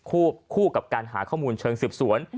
คู่กับการหาข้อมูลเชิงสืบสวน